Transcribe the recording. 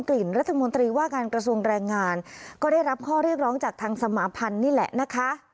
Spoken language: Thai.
กระทรวงแรงงานก็ได้รับข้อเรียกร้องจากทางสมาภัณฑ์นี่แหละนะคะ